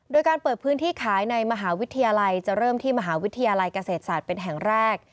โดยการเปิดพื้นที่ขายในมหาวิทยาลัยจะเริ่มที่มหาวิทยาลัยเกษตรศาสตร์เป็นแห่งแรก